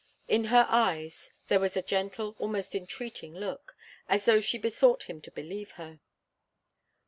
In her eyes there was a gentle, almost entreating look, as though she besought him to believe her.